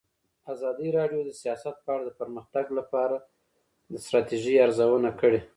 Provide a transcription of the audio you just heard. ازادي راډیو د سیاست په اړه د پرمختګ لپاره د ستراتیژۍ ارزونه کړې.